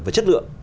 và chất lượng